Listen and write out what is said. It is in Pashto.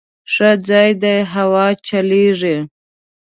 _ښه ځای دی، هوا چلېږي.